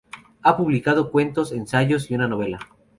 Ha publicado cuentos, ensayos y una novela.